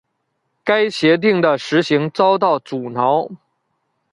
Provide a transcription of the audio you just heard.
该协定的实行遭到阻挠。